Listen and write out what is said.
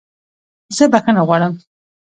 زه بخښنه غواړم